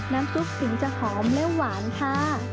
น้ำซุปถึงจะหอมและหวานค่ะ